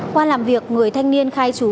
qua làm việc người thanh niên khai trú